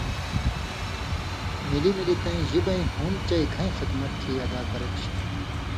ملیۡ ملیۡ تَیں ژِبَیں ہُم چئ گھَیں خِدمت تھی ادا کرہ چھی۔